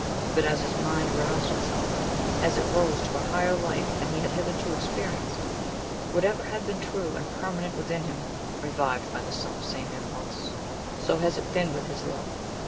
But as his mind roused itself, as it rose to a higher life than he had hitherto experienced, whatever had been true and permanent within him revived by the selfsame impulse. So has it been with his love."